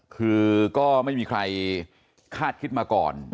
คือก็ไม่มีใครคาดคิดมาก่อน